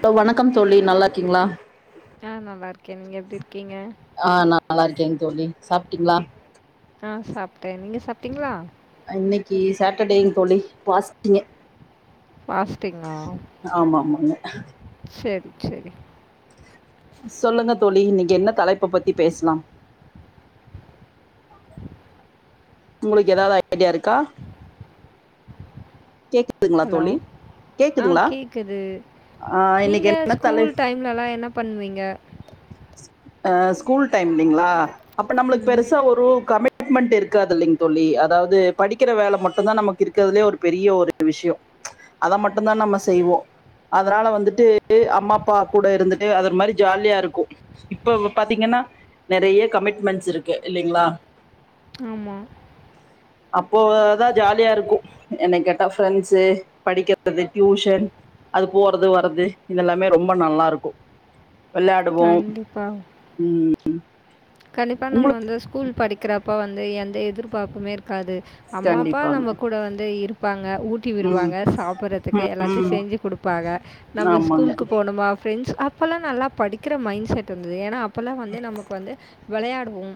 Hello வணக்கம் தோழி நல்லா இருக்கீங்களா ஆ நல்லார்க்கே நீங்க எப்டி இருக்கீங்க ஆ நா நல்லா இருக்கேங்க தோழி சாப்ட்டீங்களா ஆ சாப்ட்டே நீங்க சாப்ட்டீங்களா இன்னைக்கு சாட்டர்டேங்கு தோழி ஃபாஸ்டிங்கு ஃபாஸ்டிங்கா ஆமா ஆமாங்க சேரி சேரி சொல்லுங்க தோழி நீங்க என்ன தலைப்ப பத்தி பேச்லா உங்ளுக்கு எதாவ்து ஐடியா இருக்கா கேக்கு துங்ளா ஹலோ தோழி ஆ கேக்குதுங்ளா கேட்குது ஆ இன்னைக்கு நீங்கள் என்னத் தலை [unintelligible] என்ன பண்ணுவீங்க அ ஸ்கூல் டைம் லிங்ளா அப்ப நம்ளுக் ம் பெருசா ஒரு கமிட் ட்மெண்ட் இருக்காது இல்லைங் தோழி அதாவ்து படிக்கிற வேல மட்டுந்தா நமக்கு இருக்கதுலியே ஒரு பெரிய ஒரு விஷ்யோ அத மட்டுதா நம்ம செய்வோ அதனால வந்துட்டு அம்மா அப்பா கூட இருந்துட்டு அது ஒரு மாரி ஜாலியா இருக்கு இப்ப பாத்தீங்கன்னா நெறய கமிட்மெண்ட்ஸ் இருக்கு இல்லைங்களா ஆமாம் அப்போதா ஜாலியா இருக்கு என்ன கேட்ட ஃப்ரெண்ட்ஸ்ஸு படிக்கெறது டியூஷன் அது போறது வறது இது எல்லாமே ரொம்ப நல்லா இருக்கு வெளையாடுவோ கண்டிப்பா ம் கண்டிப்பா நம்ம உங்களுக்கு வந்து ஸ்கூல் படிக்கிறப்போ வந்து எந்த எதிர்பார்ப்புமே இருக்காது அம்மா அப்பா கண்டிப்பாங்க நம்ம கூட வந்து இருப்பாங்க ஊட்டி ம் விடுவாங்க சாப்புட்றதுக்கு ம் எல்லாத்தையு ம் செஞ்சு குடுப்பாங்க நம்ம ஆமாங்க ஸ்கூலுக்கு போனுமா ஃப்ரெண்ட்ஸ் அப்பெல்லா நல்லா படிக்கிற மைண்ட் செட் இர்ந்தது ஏன்னா அப்பெல்லா வந்து நமக்கு வந்து வெளையாடுவோம்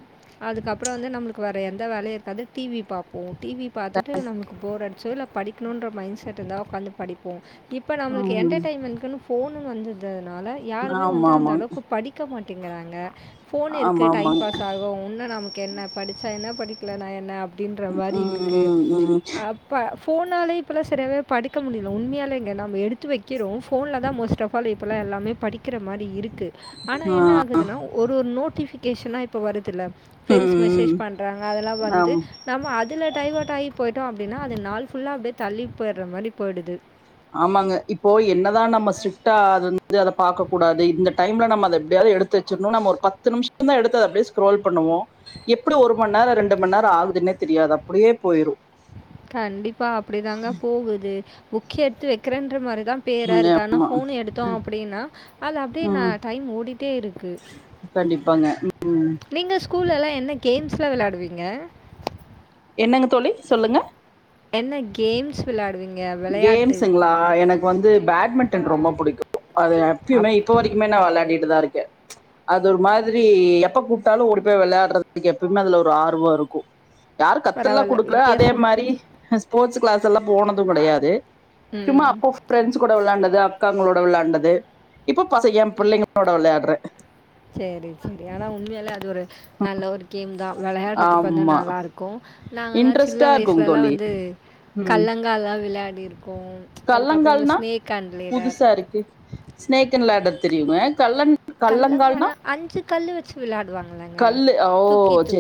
அதுக்கப்றோ வந்து நம்மளுக்கு வேற எந்த வேலையு இருக்காது டி வி பாப் போ டி வி பாத்துட்டு நமக்கு போர் அடிச்சோ இல்ல படிக்ணுன்ற மைண்ட் செட் இருந்தா ஒக்காந்து படிப்போ இப்ப நம்ளுக்கு ம் என்டெர்டெய்ன்மெண்குன்னு ஃபோனு வந்ததுனால யாருமே ஆமா வந்து அந்த ஆமாங்க அளவுக்கு படி க்க மாட்டேங்கிறாங்க ஆமா ஆமாங்க [unintelligible] உன்ன நமக்கு என்ன படிச்சா என்ன படிக்லனா என்ன அப்டின்ற மாரி இருக்கு ம் ம் இப்ப ஃபோன்னாலே இப்பல்லா சரியாவே படிக்க முடியல உண்மையாலே இங்க நம்ம எடுத்து வெக்கிறோம் ஃபோன்லதா மோஸ்ட் ஆஃப் போல இப்பல்லா எல்லாமே படிக்கிற மாரி இருக்குது ஆனா ம் ஆ என்ன ஆகுதுன்னா ஒரு ஒரு நோட்டிபிகேஷனா இப்ப வருதுல்ல ப்ரெண்ட்ஸ் ம் ம் மெசேஜ் பண்றாங்க அதெல்லா வந்து ஆமா நம்ம அதில டைவர்ட்டாயி போயிட்டோம் அப்டின்னா அது நாள் ஃபுல்லா அப்டியே தள்ளி போயிற மாதிரி போயிடுது ஆமாங்க இப்போ என்னதா நம்ம ஸ்டிட்டா அது வந்து அத பாக்க கூடாது இந்த டைம்ல நம்ம அத எப்டியாவது எடுத் எடுத்து வச்சரணும் நம்ம ஒரு பத்து நிமிஷம் தான் எடுத்த அப்டியே ஸ்க்ரோல் பண்ணுவோம் எப்புடி ஒரு மண் நேரம் ரெண்டு மண் நேரம் ஆகுதுன்னே தெரியாது அப்டியே போயிரு கண்டிப்பா அப்டிதாங்க போகுது ஃபுக் எடுத்து வெக்குறேன்ற மாரிதான் பேரா ம் இருக்கு ஆனா போஃன் எடுத்தோம் அப்டின்னா அது அப்டியேனா ம். டைம் ஓடிட்டே இருக்கு கண்டிப்பாங்க ம் ம் நீங்க ஸ்கூலெல்லாம் என்ன கேம்ஸ்லம் வெளையாடுவீங்க என்னங்க தோழி சொல்லுங்க என்ன கேம்ஸ் வெளாடு கேம்ஸுங்ளா எனக்கு வந்து பேட்மிண்டன் ரொம்ப புடிக்கு அது எப்யுமே அப் இப்போ வரைக் இல்ல நா வெளாடிட்டுதா இருக்க அது ஒரு மாதிரி எப்ப கூப்ட்டாலு ஓடி போய் விளயாடுறதுக் எப்பமே அதுல ஒரு ஆர்வோ இருக்கு யாரு கத்துல்லா பரவால்ல. குடுக்ல அதே வித்தியாசமா மாரி நா ஸ்போர்ட்ஸ் கிளாஸ்லா போனதும் கெடயாது சும்மா ம். அப்போ ஃப்ரெண்ட்ஸ் கூட வெளாண்டது அக்காங்களோட வெளாண்டது இப்ப பச எ பிள்ளைங்களோட வெளையாடுறே சேரி சேரி ஆனா உண்மையாலே அது ஒரு நல்ல ஒரு கேம் தா வெளையாடுறத்துக்கு வந்து ஆமா நல்லாருக் க்கோ நாங்களா சின்ன இன்ட்ரெஸ்ட்டா இருக்குங் வயசுலலா தோழி வந்து ம் கல்லங்காலா விளாடிருக்கோ கல்லங்கால்னா புதுசா இருக்கு ஸ்னேக்கேன் லேடர் தெரியுங்க கல்ல கல்லங்கானா அஞ்சு கல்லு வச்சு விளாடுவாங்களங்க கல்லு தூக்கி ஓ தூக்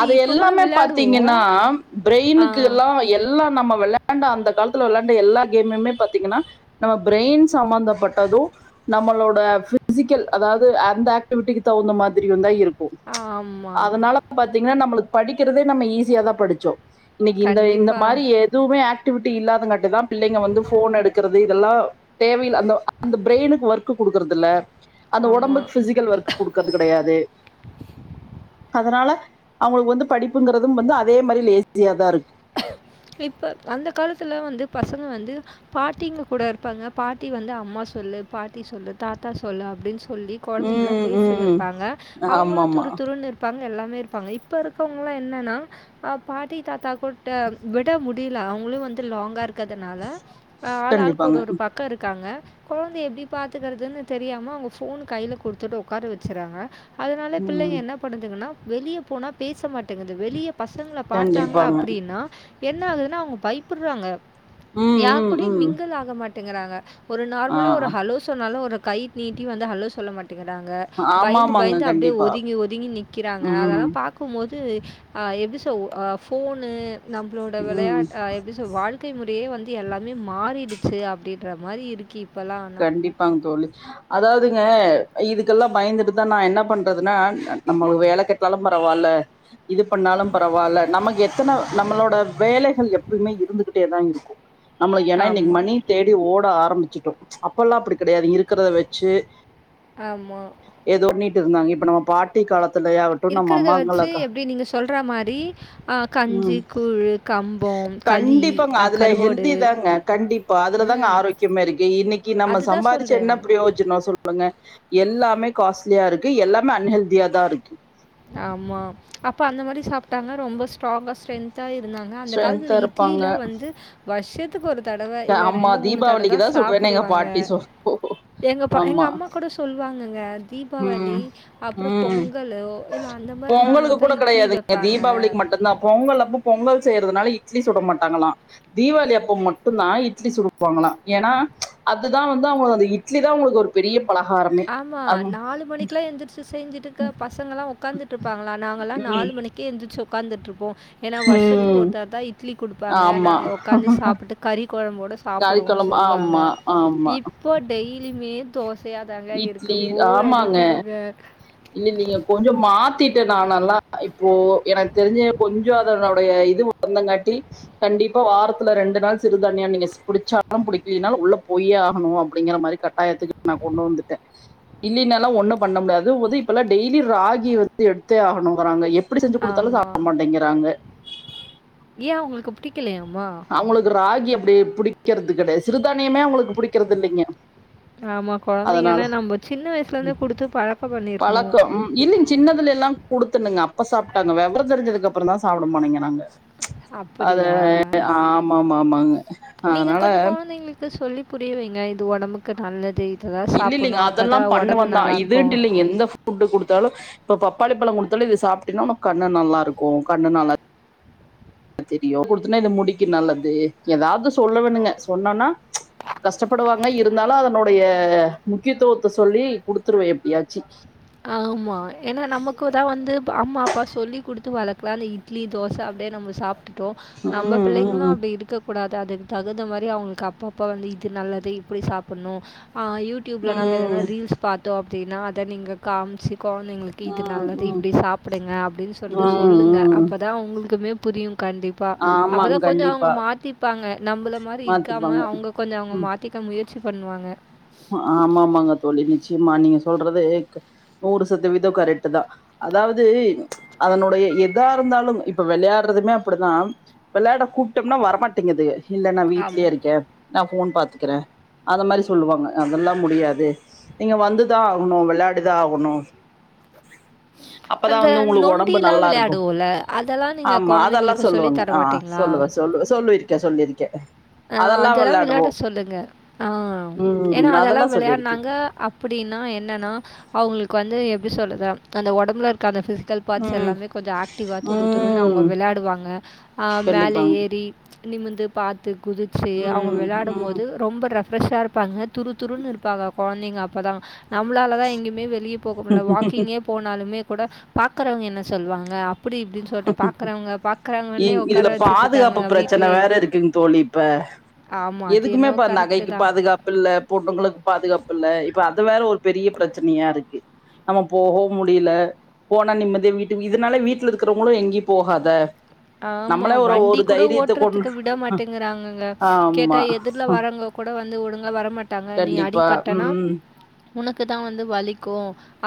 அது இப்ப கூட எல்லாமே விளையாடுவோம். பாத்தீங்கன்னா ஆ பிரெயினுக்கு எல்லா எல்லா நம்ம வெளாண்ட அந்த காலத்துல வெளாண்ட எல்லா கேமுமே பாத்தீங்கன்னா நம்ம பிரெயின் சம்பந்தப்பட்டதோ நம்மளோட பிசிக்கல் அதாவது அந்த ஆக்டிவிட்டிக்கு தவுந்த மாதிரியுந்தா இரு போ ஆமா. அதனால பாத்தீங்னா நம்மளுக் படிக்கிறதே நம்ம ஈஸியாதா படிச்சோ இன்னிக்கி இந்த இந்த கண்டிப்பா. மாரி எதுவுமே ஆக்டிவிட்டி இல்லாதங்காட்டு தா பிள்ளைங்க வந்து ஃபோன் எடுக்குறது இதெல்லா தேவையில்ல அந்த அந்த பிரெய்னுக்கு ஒர்க் குடுக்குறதுல்ல அந்த ஆமா. ஒடம்புக்கு ஃபிசிக்கல் ஒர்க் குடுக்கற்து கெடயாது அதனால அவங்களுக்கு வந்து படிப்புங்கறதும் வந்து அதே மாரி லேஸியா தா இருக்கு இப்ப அந்த காலத்துல வந்து பசங்க வந்து பாட்டிங்க கூட இருப்பாங்க பாட்டி வந்து அம்மா சொல்லு பாட்டி சொல்லு தாத்தா சொல்லு அப்டீனு சொல்லி கொழந்தைகள ம் பேச ம் வெப்பாங்க ஆமா அவங்களு ஆமா துருத்துருன் இருப்பாங்க எல்லாமே இரு ப்பாங்க இப்ப இருக்கவங்ளா என்னன்னா பாட்டி தாத்தா கூப்ட்டு விட முடி முடியில அவங்களு வந்து லாங்க இருக்கற்துனால ஆள் ஆளுக் கண்டிப்பாங்க ஒரு ஒரு பக்கோ இருக்காங்க கொழந்த எப்டி பாத்துக்கிறதுன்னு தெரியாம அவங்க ஃபோனு கைல குடுத்துட்டு ஒக்கார வச்சறாங்க அதனால பிள்ளைங்க ம் என்ன பண்ணுதுங்கன்னா வெளிய போனா பேச மாட்டேங்குது வெளிய பசங்கள பாத்தாங்க கண்டிப்பாங்க அப் னா என்ன ஆகுதுன்னா அவுங்க பயப்புறாங்க ம் யாரு ம் கூடயு ம் மிங்குல் ஆக மாட்டே ங்கிறாங்க ஒரு ஆ நார்மலா ஒரு ஹலோ சொன்னாலு ஒரு கை நீட்டி வந்து ஹலோ சொல்ல மாட் டிகிறாங்க ஆமா பயந்து ஆமாங்க பயந்து அப்டியே கண்டிப்பா ஒதுங்கி ஒதுங்கி நிக்கிறாங்க அதெல்லா ம் பாக் கும் மோது ஆ எப்டி சொல் ஆ ஃபோனு நம்புளோட ம் வெளயாட் ஆ எப்டி சொல் வாழ் க்கை முறையே வந்து எல்லாமே மாறிடுச்சு அப்டின்ற மாரி இருக்கு இப் கண்டிப்பாங் தோழி அதாவ்துங்க இதுக்கெல்லா பயந்துட்டுதா நா என்ன பண்றதுன்னா நம்ம வேல கெட் கெளம்புற வேல இது பண்ணாலு பரவால்ல நமக்கு எத்தன நம்மளோட வேலைகள் எப்பயுமே இருந்துகிட்டே தா இருக்கு நம்மளு ஏன்னா இன்னிக்கு ஆமாம் மணி தேடி ஓட ஆரம்பிச்சுட்டோ அப்பெல்லா அப்டி கெடயாது இருக்கத வச்சு ஆமா எதோ நீட்டு இருந்தாங்க இப்ப நம்ம பாட்டி காலத்துலயாவட் இருக்கிறத வச்சு எப்டி நீங்க சொல்ற மாரி ஆ கஞ்சி ம் கூழு கண்டிப்பாங்க அதுல ஹெல்த்தி தாங்க கண்டிப்பா அதுல தாங்க ஆரோக்கியமே இருக்கு இன்னிக்கி நம்ம அதுதான் சம்பாரிச்சு சொல்கிறேன் என்ன பிரி ப்ரோஜனோ சொல்லுங்க எல்லாமே காஸ்லியா இருக்கு எல்லாமே அன்ஹெல்தியா தா இருக்கு ஆமா அப்ப அந்த மாரி சாப்ட்டாங்க ரொம்ப ஸ்ட்ராங்கா ஸ்ட்ரென் த்தா இருந்தாங்க அந்த காலத்துல ஸ்ட்ரென்த்தா இருப்பாங்க இட்லிலா வந்து வர்ஷத்துக்கு ஒரு தடவ இல்ல ஆமா ரெண்டு மூணு தடவ தா தீபாவளிக்கு சுடுவேன்னு எங்க சாப்டுவாங்க பாட்டி சொல்லு எங்க பா எங்க ஆமா அம்மா கூட சொல்வாங்கங்க தீபாவளி ம் அப்றோ ம் பொங்கலு இல்ல அந்த மாரி நாள்ல பொங்கலுக்கு தா கூட இட்லி கெடையாதுங்க வெப்பாங்க தீபாவளிக்கு மட்டுந்தா பொங்கல் அப்ப பொங்கல் செய்யறதுனால இட்லி சுட மாட்டாங்களா தீபாவளி அப்ப மட்டும்தா இட்லி சுடுவாங்களா ஏனா அதுதா வந்து அவுங்கள அந்த இட்லி தா அவுங்களுக்கு ஒரு பெரிய பலகாரமே அம் நாலு மணிக்குல்லா எளுத்திரிச்சு செஞ்சட்டுயிருக்க பசங்க எல்லா உட்காந்துட் இர்ப்பாங்களா நாங்க எல்லா ம் நாலு மணி கே எந்திர்ச்சு உக்காந்துட்ருப்போ ஏனா வருஷத்துல ம் ஒருத்தர் தா இட்லி குடுப்பாங்க ஆமா நாங்க உக்காந்து சாப்பிட்டு கறி கொழம்போடு சாப் காய்க்கொழம்பு ஆமா ஆமா இப்போ டெய்லியுமே தோசையா தாங்க இருக்கு இட்லி போர் அடிக்குதுங்க இல்லெல்லிங்க கொஞ்சோ மாத்திட்டே நானெல்லா இப்போ எனக்கு தெரிஞ்சு கொஞ்சோ அதெனுடைய இது சொந்தங்காட்டி கண்டிப்பா வாரத்துல ரெண்டு நாள் சிறுதனியா நீங்க பிடிச்சாலு படிக்கனாலு உள்ள போயே ஆகுணு அப்டிங்கிற மாதிரி கண் கட்டாயத்துக்கு நா கொண்டு வந்துட்டே இல்லைனாலா ஒண்ணு பண்ண முடியாது இப்பெல்லா டெய்லி ராகி வந்து எடுத்தே ஆகுணுங்கிறாங்க எப்டி செஞ்சு குடுத்தாலு ஆமா. சாப்பிட மாட்டேங்கிறாங்க ஏ அவுங்களுக்கு புடிக்கலையாமா அவுங்களுக்கு ராகி அப்டி புடிக்கிறது கெடைய சிறுதானியமே அவுங்களுக்கு பிடிக்கிறது இல்லிங்க ஆமா கொழந்தைங்கன்னா நம்ம சின்ன வயசுல இருந்தே குடுத்து பழக்கம் பண்ணிருக்குணு பழக்கம் ம், இல்லைங்க சின்னதுல எல்லா குடுத்துணனுங்க அப்ப சாப்பிட்டாங்க வெவரோ தெரிஞ்சதுக்கு அப்றோ தா சாப்பிடமாட்டங்கீறாங்க அப்டியா ஆமா ஆமா ஆமாங்க அதனால த்து சொல்லி புரிய வெங்க இது ஒடம்புக்கு நல்லது இதெல்லாம் இல்லிலங்க சாப்பிட்ணும் அப்போ அதெல்லா தான் உடம்பு பண்ணவதா நல்லாயிருக்கும் இதுட்டு இல்லலிங்க எந்த ஃபுட் குடுத்தாலு இப்ப பப்பாளி பழோ குடுத்தாலு இது சாப்ட்டினா உனக்கு கண்ணு நல்லா இருக்கு கண்ணு நல்லா தெரியு குடுத்தன்னா இது முடிக்கு நல்லது எதாவுது சொல்லு வேணுங்க சொன்னோன்னா கஷ்டப்படுவாங்க இருந்தாலு அதனோடைய முக்கியத்துவத்தை சொல்லி குடுத்துருவே எப்டியாச்சு ஆமா ஏனா நமக்குதா வந்து அம்மா அப்பா சொல்லி குடுத்து வளக்கல அந்த த் இட்லி தோச அப்டியே நம்ம சாப்ட்டுட்டோ நம்ம ம் பிள்ளங்களு ம் அப்டி இருக்கக்கூடாது அதுக்கு தகுந்த மாரி அவங்களுக்கு அப்ப அப்ப வந்து இது நல்லது இப்டி சாப்பின்ணு ஆ யூடியூப்ல நம்ம எதனா ம் ரீல்ஸ் பாத்தோ அப்டின்னா அத நீங்க காமிச்சீ கொழந்தைங்களுக்கு இது ம் நல்லது ம் இப்டி சாப்பிடுங்க அப்டின்னு சொல்ட்டு ம் சொல்லுங்க ம் ம் அப்ப இதா உங்களுக்குமே புரியு கண்டிப் பா அப்பதா ஆமாங் கொஞ்சோ அவுங்க கண்டிப்பா மாத்திப்பாங்க நம்மள மாரி இருக்காம மாத்திப்பாங்க அவுங்க கொஞ்சோ அவுங்க ம் மாத் திக்க முயற்சி பண்ணுவாங்க ஆமா ஆமாங்க தோழி நிச்சயமா நீங்க சொல்றது நூறு சதவீதோ கரெக்ட் தா அதாவுது அதனுடைய எதா இருந்தாலு இப்ப வெளையாடுறதுமே அப்டிதா வெளையாட கூப்பிட்டோம்னா வரமாட்டேங்குதுக இல்ல நா வீட்லயே ஆமா. இருக்கே நா ஃபோன் பாத்துக்கிறே அந்த மாரி சொல்லுவாங்க அதெல்லா முடியாது நீங்க வந்துதா ஆகணு வெளையாடிதா ஆகுணு அப்பதா அந்த வந்து உங்களுக்கு ஒடம்பு நொண்டிலாம் நல்லா இருக்கு விளையாடுவோம்ல அதெல்லாம் நீங்கள் ஆமா அதெல்லா குழந்தைங்களுக்கு சொல்லி சொல்லுவாங்க தர ஆ மாட்டீங்களா சொல்லுவ சொல்லு சொல்லிருக்கே சொல்லிருக்கே அ அதெல்லா அதெலா விளையாடுவோ விளையாட சொல்லுங்க ஆ எனா ம் அதெலா அதெல்லா சொல்லிருக்கே விளையாட்னாங்க அப்டின்னா என்னன்னா அவுங்களுக்கு வந்து எப்படி சொல்றது அந்த ஒடம்புல இருக்க அந்த பிசிக்கல் பார்ட்ஸ் ம் எல்லாமே கொஞ்சோ ஆக்டிவாக துரு துருன்னு அவுங்க ம் வெளையாடுவாங்க மேலே கண்டிப்பாங்க ஏறி நிமிந்து பாத்து குதிச்சு அவுங்க ம் விளையாடு ம் போது ரொம்ப ரெஃப்ரெஷ்ஷா இருப்பாங்க துரு துருன்னு இருப்பாங்க கொழந்தைங்க அப்பதா நம்மளால தா எங்யுமே வெளியே போக முடில வாக்கிங்கே போனாலுமே கூட பாக்குறவங்க என்ன சொல்லுவாங்க அப்டி இப்டின்னு சொல்லிட்டு பாக்குறவங்க பாக்கறாங்கன்னே உக்கார வச்சுட்டு இருக்காங்க வீட்லே இருக்குங்க தோழி இப்ப அது எதுக்குமே என்னவோ பா கரெக்ட்டு நகைக்கு தான். பாதுகாப்பு இல்ல பொண்ணுங்களுக்கு பாதுகாப்பு இல்ல இப்ப அது வேற ஒரு பெரிய பிரச்சனையா இருக்கு நம்ம போகவு முடியல போனா நிம்மதியா வீட்டு இதனால வீட் ட்ல இருக்கிறவ்ங்களு எங்கையு போகாத ஆமா நம்மளே ஒரு வண்டி ஒரு கூட தைரியத்த கொண் ஓட்றத்துக்கு விட மாட்டேங்குறாங்கங்க கேட்டா ஆமா எதிர் ல்ல வரவங்க கூட வந்து ஒழுங்க வரமாட்டாங்க நீ கண்டிப்பா அடிபட்டனா ம் உனக்கு தா வந்து வலிக்கு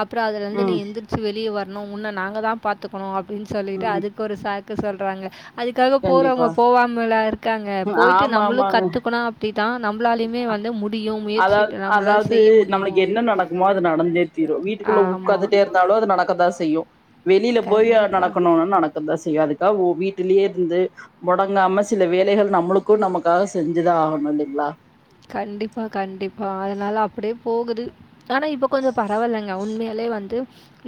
அப்பற அதுலருந்து நீ ம் எந்திரிச்சு வெளிய வர்ணு உன்ன நாங்க தா பாத்துக்கணும் அப்டின்னு சொல்லிட்டு ம் அதுக்கு ஒரு சாக்கு சொல்றாங்க அதுக்காக போறவ்ங்க கண்டிப்பா போவாமலா இருக்காங்க போயிட்டு ஆமா நம்மளு ஆமாங் கத்துக்கணு அப் டித்தா நம்பளாலயுமே வந்து முடியு முயற்சிட்டு நம்பளால செய்ய முடியு மா அது நடந்தே தீரும் வீட்டுக்குள்ள ஆமா. உக்காந்துட்டே இருந்தாலும் அது நடக்க தா செய்யும் வெளியில போய் கண்டிப்பா. நடக்கணுன்னு நடக்கு தா செய்யும் அதுக்கா வீட்டுலயே இருந்து மொடங்காம சில வேலைகள் நம்மளுக்கு நமக்காக செஞ்சுதா ஆகணு இல்லைங்களா கண்டிப்பா கண்டிப்பா அதனால அப்டியே போகுது ஆனா இப்ப கொஞ்ச பரவால்லங்க உண்மையாலே வந்து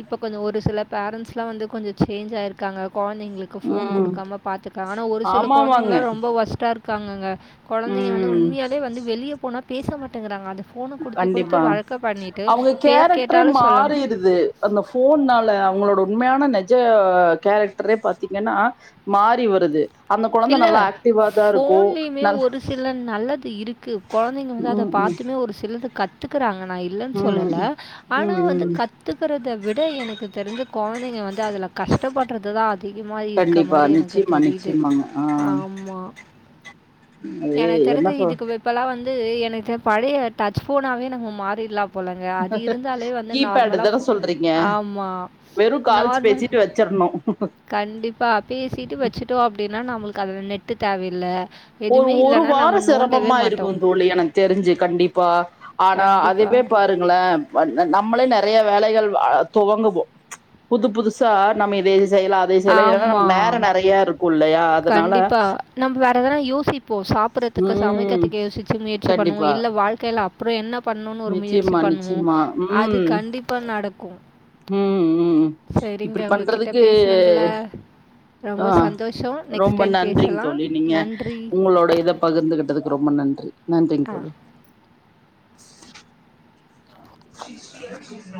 இப்போ கொஞ்சம் ஒரு சில பேரண்ட்ஸ்லாம் வந்து கொஞ்சம் சேஞ்ச் ஆயிருக்காங்க கொழந்தைங்களுக்கு க்கு ஃபோன் ம் குடுக்காம பாத்துக்க ஆனா ஒரு சில ஆமாமாங்க கொழந்தைங்களா ரொம்ப ஒஸ்டா இருக்காங்கங்க கொழந்தைங்க வந்து ம் உண்மையாலே வந்து வெளிய போனா பேச மாட்டேங்றாங்க அது ஃபோன குடுத்து குடுத்து கண்டிப்பா வழக்க பண்ணிட்டு பேர் கேட்டாலு சொல்லாம் து அந்த ஃபோன்னால அவங்களோட உண்மையான நிஜ கேரக்டரே பாத்தீங்கன்னா மாறி வருது அந்த கொழந்த இல்ல. நல்லா ஆக்டிவா தா இருக்கு ஃபோன்லயுமே நல் ஒரு சில நல்லது இருக்கு கொழந்தைங்க வந்து அத ம் ம் பாத்துமே ஒரு சிலது கத் துக்கறாங்க நா இல்லன்னு ம் சொல்லல ஆனா ம் வந்து ம் க கத்துக்கறத விட எனக்கு தெரிந்து கொழந்தைங்க வந்து அதுல கஷ்டப்படுறது தா அதிகமா இருக்க கண்டிப்பா மாரி எனக்கு நிச்சயமா தெரியுது நிச்சயமாங்க ஆ ஆமா அது எனக்கு என்ன தெரிஞ்சு சொல் இதுக்கு இப்பல்லா வந்து எனக்கு பழைய டச் போனாவே நம்ம மாறிடலாம் போலங்க அது இருந்தாலே வந்து கீபேடு நார்மலா தான சொல்றீங்க ஆமா நார்மல் டு வச்சுர்ணு கண்டிப்பா பேசிட்டு வச்சுட்டோ அப்டின்னா நம்மளுக்கு அதுல நெட்டு தேவல்ல ஒரு ஒரு வார செரமமா இருக்கு தோழி எனக்கு தெரிஞ்சு கண்டிப்பா ஆனா கண்டிப்பா. அதுவே பாருங்களே நம்மளே நிறைய வேலைகள் ஆ துவங்குவோ புது புதுசா நம்ம இதே இது செய்யலா அதையு செய்யலா ஏனா ஆமா. நமக்கு நேர நெறையா இருக்கு இல்லையா அதனால கண்டிப்பா நம்ப வேற எதனா யோசிப்போ சாப் சாப்றத்துக்கு ம் சமைக்கிறதுக்கு யோசிச்சு முயற்சி பண்ணுவோ கண்டிப்பா இல்ல வாழ்க்கைல அப் அப்புறம் என்ன பண்ணும்னு ஒரு முயற்சி நிச்சயமா பண்ணுவோ நிச்சயமா அது ம் கண்டிப்பா நடக்கும் ம் ம் சரிங்க இப்டி உங்ககிட்ட பண்றதுக்கு பேசினதுல ஆ ரொம்ப சந்தோஸோ ரொம்ப நன்றிங் தோழி நீங்க உங்களோட இத பகிர்ந்துகிட்டதுக்கு ரொம்ப நன்றி நன்றிங் ஆ. தோழி [inaudible]